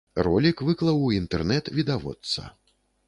Ролік выклаў у інтэрнэт відавочца.